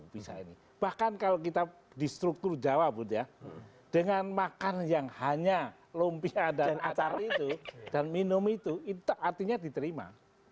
bisa ini bahkan kalau kita di struktur jawa bud ya dengan makan yang hanya lumpia dan acar itu dan minum itu itu artinya diterima